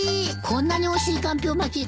こんなにおいしいかんぴょう巻き